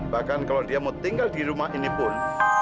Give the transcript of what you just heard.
bahkan kalau dia mau tinggal di rumah ini pun